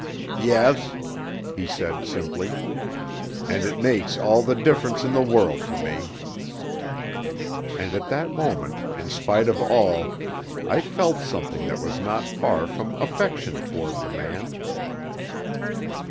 "Yes," he said simply. "And it makes all the difference in the world to me." And at that moment, in spite of all, I felt something that was not far from affection toward the man.